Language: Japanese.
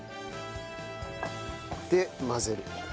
で混ぜる。